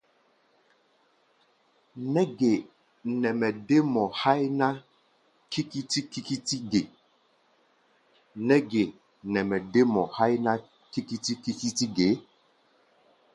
Nɛ́ ge nɛ mɛ dé mɔ háí ná kikiti-kikitiʼɛ ge?